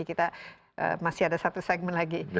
kita masih ada satu segmen lagi